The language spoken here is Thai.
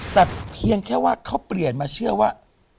แต่เพียงแค่ว่าเขาเปลี่ยนมาเชื่อว่า